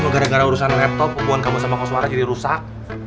gara gara urusan laptop hubungan kamu sama koswara jadi rusak